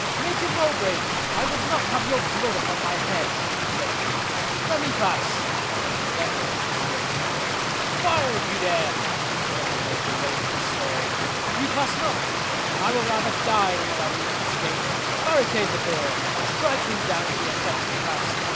"Major Mowbray, I would not have your blood upon my head," said Dick. "Let me pass," and he levelled a pistol. "Fire, if you dare!" said the major, raising his sword. "You pass not. I will die rather than allow you to escape. Barricade the door. Strike him down if he attempts to pass.